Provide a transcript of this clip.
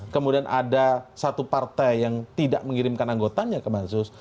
kemudian ada satu partai yang tidak mengirimkan anggotanya ke mansus